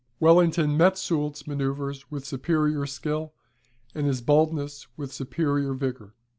Wellington met Soult's manoeuvres with superior skill, and his boldness with superior vigour.